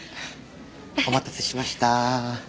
お待たせしました。